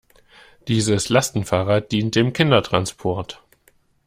Dieses Lastenfahrrad dient dem Kindertransport.